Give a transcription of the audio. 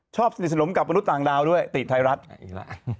สนิทสนมกับมนุษย์ต่างดาวด้วยติดไทยรัฐอีกแล้ว